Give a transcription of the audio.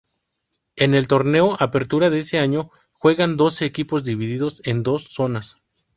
En el Torneo Apertura de ese año juegan doce equipos divididos en dos zonas.